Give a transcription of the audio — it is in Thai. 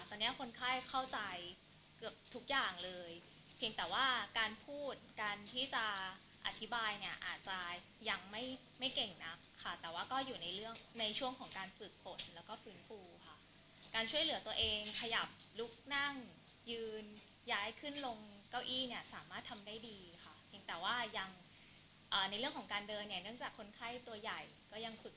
ตอนนี้คนไข้เข้าใจเกือบทุกอย่างเลยเพียงแต่ว่าการพูดการที่จะอธิบายเนี่ยอาจจะยังไม่ไม่เก่งนักค่ะแต่ว่าก็อยู่ในเรื่องในช่วงของการฝึกฝนแล้วก็ฟื้นฟูค่ะการช่วยเหลือตัวเองขยับลุกนั่งยืนย้ายขึ้นลงเก้าอี้เนี่ยสามารถทำได้ดีค่ะเพียงแต่ว่ายังในเรื่องของการเดินเนี่ยเนื่องจากคนไข้ตัวใหญ่ก็ยังฝึก